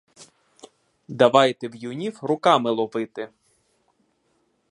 Давайте в'юнів руками ловити!